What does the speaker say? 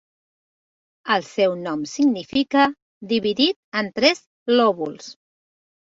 El seu nom significa "dividit en tres lòbuls".